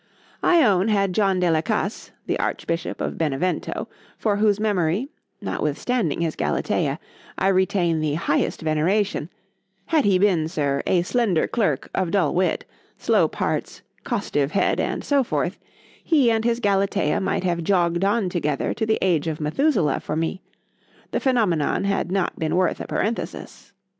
I own had John de la Casse, the archbishop of Benevento, for whose memory (notwithstanding his Galatea,) I retain the highest veneration,—had he been, Sir, a slender clerk—of dull wit—slow parts—costive head, and so forth,—he and his Galatea might have jogged on together to the age of Methuselah for me,—the phænomenon had not been worth a parenthesis.